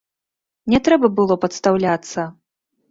Не трэба было падстаўляцца.